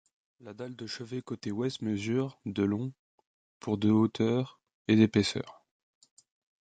La dalle de chevet côté ouest mesure de long pour de hauteur et d'épaisseur.